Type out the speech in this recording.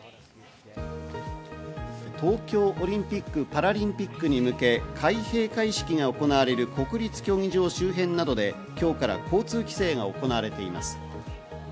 東京オリンピック・パラリンピックに向け、開閉会式が行われる国立競技場周辺などで今日から交通規制が行われています。